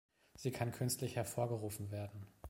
Sie kann künstlich hervorgerufen werden.